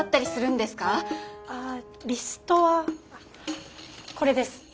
あリストはこれです。